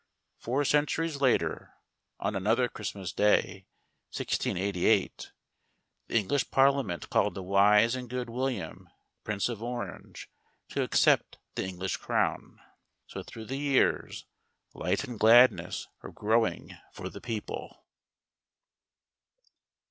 Four centuries later, on another Christmas day, 1688, the English Parliament called the wise and good William, Prince of Orange, to accept the English crown. So, through the years, light and gladness were growing for the people.